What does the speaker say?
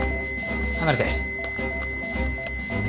離れて。